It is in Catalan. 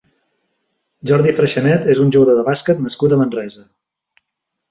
Jordi Freixanet és un jugador de bàsquet nascut a Manresa.